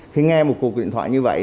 khi nghe một cuộc điện thoại như vậy